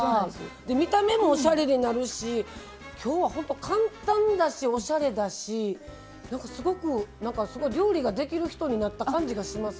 見た目もおしゃれになるし今日は本当簡単だしおしゃれだしすごく料理ができる人になった感じがします。